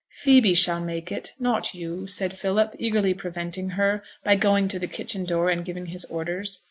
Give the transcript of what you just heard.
'Phoebe shall make it, not you,' said Philip, eagerly preventing her, by going to the kitchen door and giving his orders.